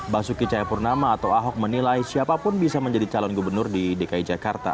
basuki cayapurnama atau ahok menilai siapapun bisa menjadi calon gubernur di dki jakarta